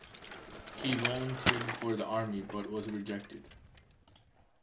He volunteered for the army but was rejected.